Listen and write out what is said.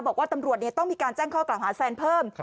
บอกว่าตำรวจต้องมีการแจ้งข้อกล่าวหาแซนเพิ่ม